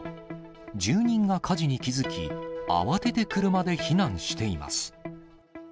住人が火事に気付き、慌てて車で避難しています。